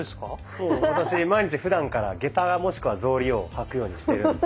そう私毎日ふだんから下駄もしくは草履を履くようにしてるんです。